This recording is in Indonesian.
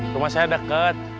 rumah saya deket